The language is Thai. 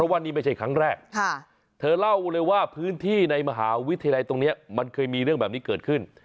วิทยาลัยตรงนี้มันเคยมีเรื่องแบบนี้เกิดขึ้น